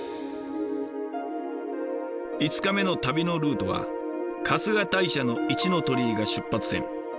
５日目の旅のルートは春日大社の一之鳥居が出発点。